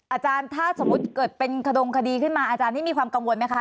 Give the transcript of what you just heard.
อาจารย์ถ้าสมมุติเกิดเป็นขดงคดีขึ้นมาอาจารย์นี่มีความกังวลไหมคะ